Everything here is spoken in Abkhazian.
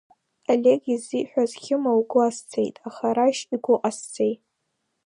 Олег иззиҳәаз Хьыма лгәы азцеит, аха Рашь игәы ҟазҵеи?